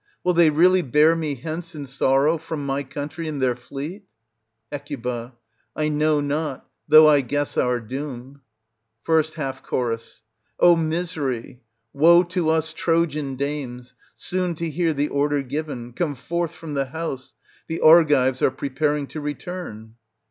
Will they really bear me hence in sorrow from my country in their fleet? Hec. I know not, though I guess our doom. 1ST HalF'Cho. O misery ! woe to us Trojan dames, soon to hear the order given, "Come forth from the house; the Argives are preparing to return."